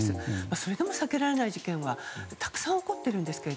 それでも避けられない事件はたくさん起こっていますが。